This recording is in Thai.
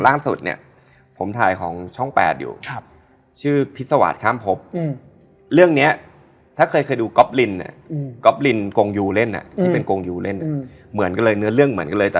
แล้วทำไงอ่ะ